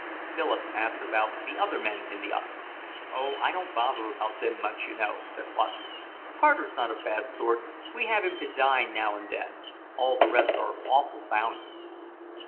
Philip asked about the other men in the office. "Oh, I don't bother about them much, you know," said Watson. "Carter's not a bad sort. We have him to dine now and then. All the rest are awful bounders."